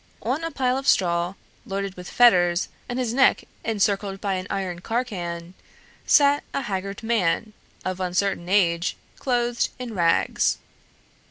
On a pile of straw, loaded with fetters and his neck encircled by an iron carcan, sat a haggard man, of uncertain age, clothed in rags.